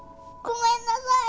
ごめんなさい。